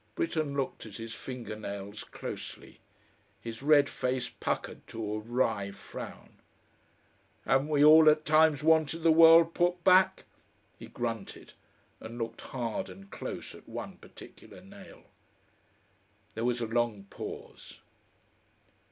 Britten looked at his finger nails closely. His red face puckered to a wry frown. "Haven't we all at times wanted the world put back?" he grunted, and looked hard and close at one particular nail. There was a long pause.